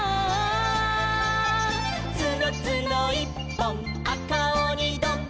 「つのつのいっぽんあかおにどん」